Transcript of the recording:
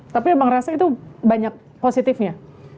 tapi emang rasa itu banyak positifnya